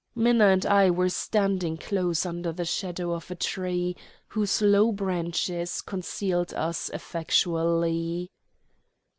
Minna and I were standing close under the shadow of a tree whose low branches concealed us effectually.